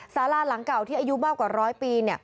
สาราหลังเก่าที่อายุมากกว่าร้อยปี